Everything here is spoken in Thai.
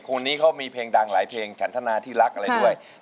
คนนี้เขามีเพลงดังหลายเพลงฉันทนาที่รักอะไรด้วย